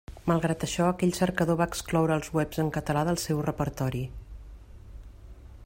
Malgrat això aquell cercador va excloure els webs en català del seu repertori.